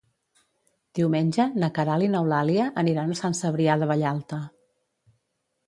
Diumenge na Queralt i n'Eulàlia aniran a Sant Cebrià de Vallalta.